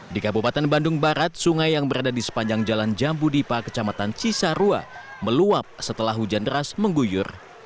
di kabupaten bandung barat sungai yang berada di sepanjang jalan jambu dipa kecamatan cisarua meluap setelah hujan deras mengguyur